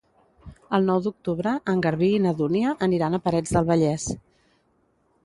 El nou d'octubre en Garbí i na Dúnia aniran a Parets del Vallès.